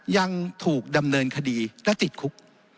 ยังถูกดำเนินคดีและติดคุก